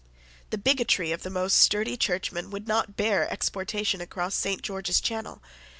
The bigotry of the most sturdy churchman would not bear exportation across St. George's Channel.